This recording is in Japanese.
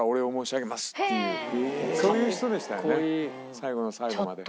最後の最後まで。